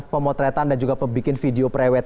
pemotretan dan juga pebikin video prewet